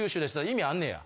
意味あんねや？